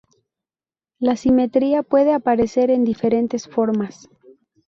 La simetría puede aparecer en diferentes formas.